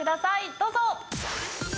どうぞ！